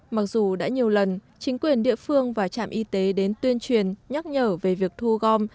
mặc dù đã nhiều lần chính quyền địa phương và trạm y tế đến tuyên truyền nhắc nhở về việc thu gom